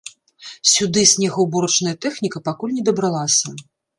Сюды снегаўборачная тэхніка пакуль не дабралася.